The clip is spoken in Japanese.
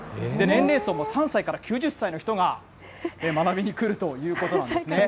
年齢層も３歳から９０歳の人が学びに来るということなんですね。